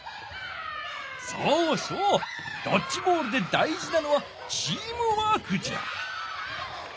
そうそうドッジボールで大じなのはチームワークじゃ！